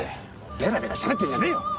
ベラベラしゃべってんじゃねえよ！